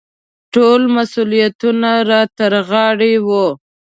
ټول مسوولیتونه را ترغاړې وو.